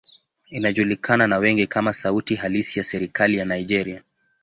Inajulikana na wengi kama sauti halisi ya serikali ya Nigeria.